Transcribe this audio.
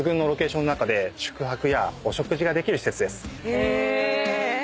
へぇ。